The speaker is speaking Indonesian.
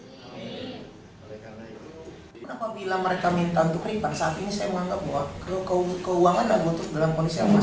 apabila mereka minta untuk riban saat ini saya menganggap